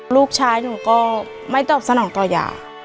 ลูกชายหนูก็ไม่ตอบสนองต่อยา